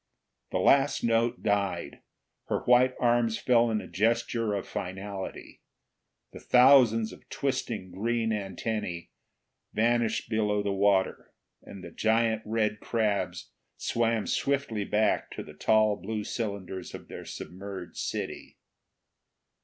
The last note died. Her white arms fell in a gesture of finality. The thousands of twisting green antennae vanished below the water, and the giant red crabs swam swiftly back to the tall blue cylinders of their submerged city.